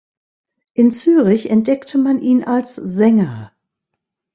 In Zürich entdeckte man ihn als Sänger.